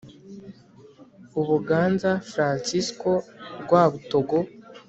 Ubuganza Fransisko Rwabutogo